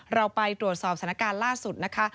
เราไปตรวจสอบสถานการณ์ล่าสุดนะคะ